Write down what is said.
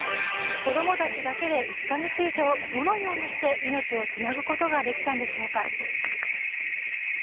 子供たちだけで１か月以上どのようにして命をつなぐことができたんでしょうか。